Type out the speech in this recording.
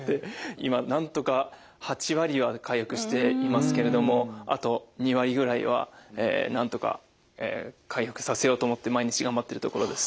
今なんとか８割は回復していますけれどもあと２割ぐらいはなんとか回復させようと思って毎日頑張っているところです。